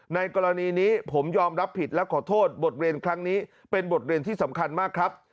ในกรณีนี้ผมยอมรับผิดและขอโทษบทเรียนครั้งนี้เป็นบทเรียนที่สำคัญมากครับ